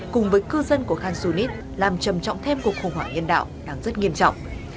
cùng với cư dân của khan yunis làm trầm trọng thêm cuộc khủng hoảng nhân đạo đáng rất nghiêm trọng